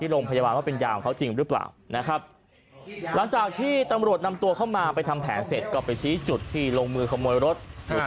แล้วจากที่ตำรวจนำตัวเข้ามาไปทำแผนเสร็จก็ไปชี้จุดที่ลงมือขโมยรถทางโรงพยาบาล